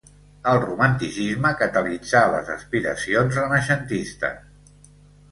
El Romanticisme catalitzà les aspiracions renaixentistes.